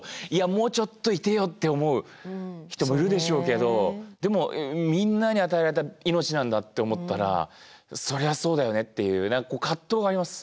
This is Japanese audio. もうちょっといてよって思う人もいるでしょうけどでもみんなに与えられた命なんだって思ったらそりゃそうだよねっていう葛藤があります